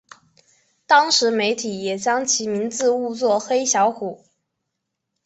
有时媒体也将其名字误作黑小虎。